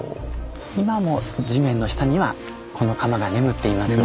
今も地面の下にはこの窯が眠っています。